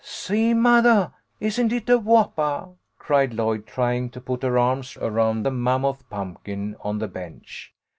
" See, mothah, isn't it a whoppah ?" cried Lloyd, trying to put her arms around the mammoth pumpkin on the bench.